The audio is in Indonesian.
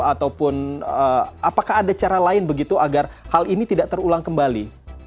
ataupun apakah ada cara lain begitu agar hal ini tidak terulang kembali